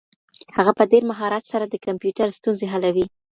هغه په ډېر مهارت سره د کمپيوټر ستونزې حلوي.